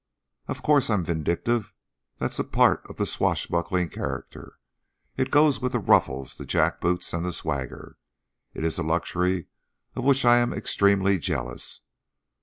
"Of course, I'm vindictive that's a part of the swashbuckling character; it goes with the ruffles, the jack boots, and the swagger. It is a luxury of which I am extremely jealous."